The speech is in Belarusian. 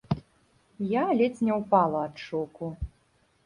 Я ледзь не ўпала ад шоку.